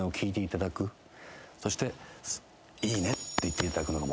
そしていいねって言っていただくのが目標。